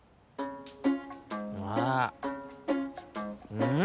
うん！